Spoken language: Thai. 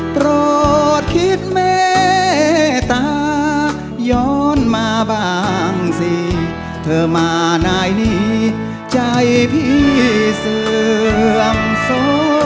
โกรธคิดแม่ตาย้อนมาบ้างสิเธอมานายนี้ใจพี่เสื่อมโส